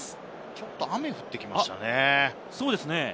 ちょっと雨が降ってきましたね。